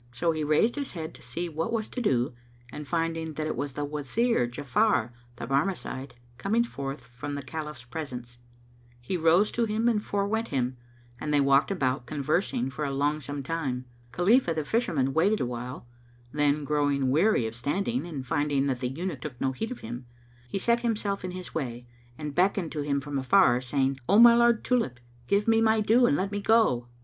So he raised his head to see what was to do and finding that it was the Wazir Ja'afar the Barmecide coming forth from the Caliph's presence, he rose to him and forewent him, and they walked about, conversing for a longsome time. Khalifah the Fisherman waited awhile; then, growing weary of standing and finding that the Eunuch took no heed of him, he set himself in his way and beckoned to him from afar, saying, "O my lord Tulip, give me my due and let me go!"